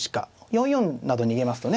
４四など逃げますとね